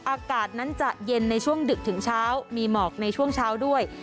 อากาศนั้นจะเย็นในช่วงดึกถึงเช้ามีหมอกในช่วงเช้าด้วย